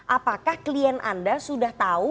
apakah klien anda sudah tahu